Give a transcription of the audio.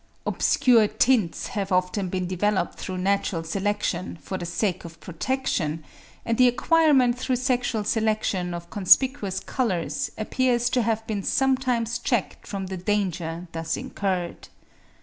Obscure tints have often been developed through natural selection for the sake of protection, and the acquirement through sexual selection of conspicuous colours, appears to have been sometimes checked from the danger thus incurred.